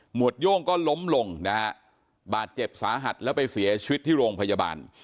วดโย่งก็ล้มลงนะฮะบาดเจ็บสาหัสแล้วไปเสียชีวิตที่โรงพยาบาล